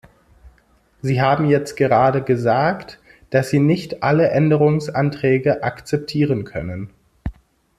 Sie haben jetzt gerade gesagt, dass Sie nicht alle Änderungsanträge akzeptieren können.